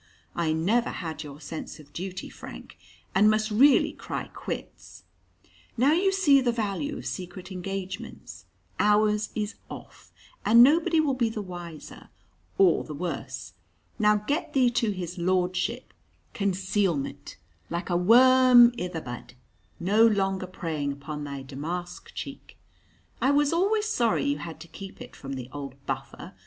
I never had your sense of duty, Frank, and must really cry 'quits.' Now you see the value of secret engagements ours is off, and nobody will be the wiser or the worse. Now get thee to his lordship concealment, like a worm i' the bud, no longer preying upon thy damask cheek. I was alway sorry you had to keep it from the old buffer.